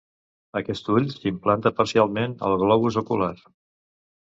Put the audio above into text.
Aquest ull s'implanta parcialment al globus ocular.